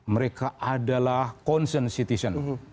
mereka adalah konsen citizen